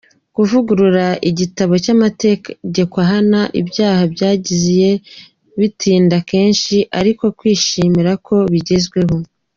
Kuvugurura igitabo cy’amategeko ahana ibyaha byagiye bitinda kenshi ariko twishimiye ko bigezweho.